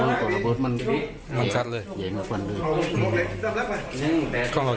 มีอุปกรณ์การเสพยาด้วยตำรวจก็เลยยึดทั้งหมดไว้เป็นของกลาง